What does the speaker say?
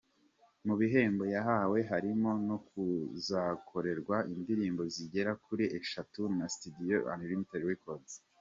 Mu bihembo yahawe harimo no kuzakorerwa indirimbo zigera kuri eshatu na Studio Unlimited Records.